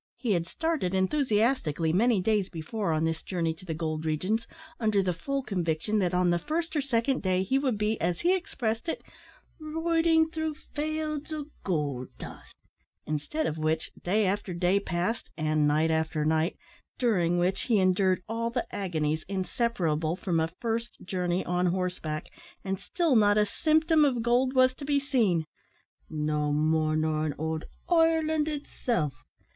He had started enthusiastically many days before on this journey to the gold regions, under the full conviction that on the first or second day he would be, as he expressed it, "riding through fields of goold dust;" instead of which, day after day passed, and night after night, during which he endured all the agonies inseparable from a first journey on horseback, and still not a symptom of gold was to be seen, "no more nor in owld Ireland itself."